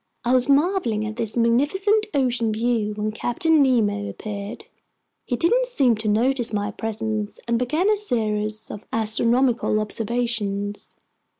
I was marveling at this magnificent ocean view when Captain Nemo appeared. He didn't seem to notice my presence and began a series of astronomical observations.